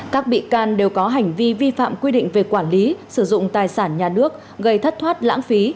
các bị can đều có hành vi vi phạm quy định về quản lý sử dụng tài sản nhà nước gây thất thoát lãng phí